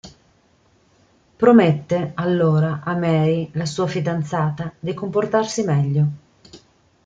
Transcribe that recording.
Promette, allora, a Mary, la sua fidanzata, di comportarsi meglio.